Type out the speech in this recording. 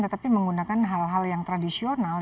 tetapi menggunakan hal hal yang tradisional